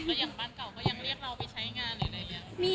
แล้วอย่างบ้านเก่าก็ยังเรียกเราไปใช้งานหรืออะไรอย่างนี้